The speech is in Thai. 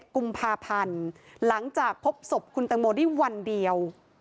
กุมภาพันธ์หลังจากพบศพคุณตังโมได้วันเดียว